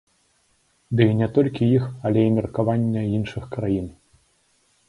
Ды і не толькі іх, але і меркавання іншых краін.